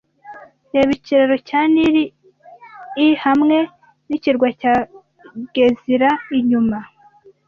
Reba ikiraro cya Nil i hamwe n'ikirwa cya Gezira inyuma